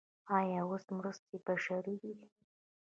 آیا اوس مرستې بشري دي؟